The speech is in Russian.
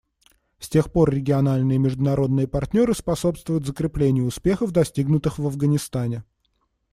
С тех пор региональные и международные партнеры способствуют закреплению успехов, достигнутых в Афганистане.